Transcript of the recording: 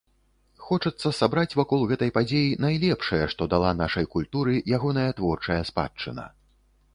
Хочацца сабраць вакол гэтай падзеі найлепшае, што дала нашай культуры ягоная творчая спадчына.